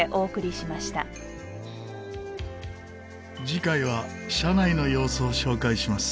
次回は車内の様子を紹介します。